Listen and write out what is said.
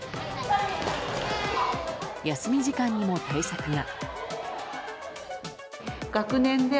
休み時間にも対策が。